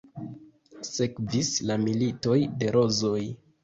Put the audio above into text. Sekvis la Militoj de Rozoj.